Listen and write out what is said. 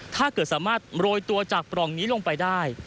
ถ้าเกิดสามารถโรยตัวจากปล่องนี้ลงไปได้